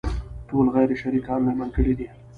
ټول غير شرعي کارونه يې بند کړي دي.